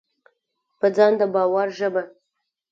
په ځان د باور ژبه: